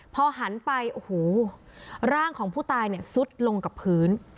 พอหันไปโอ้โหร่างของผู้ตายเนี่ยซุดลงกับพื้น